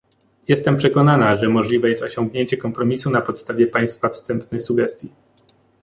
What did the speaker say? Jestem przekonana, że możliwe jest osiągnięcie kompromisu na podstawie państwa wstępnych sugestii